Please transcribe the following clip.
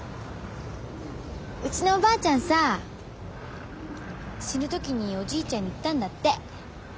うちのおばあちゃんさ死ぬ時におじいちゃんに言ったんだって。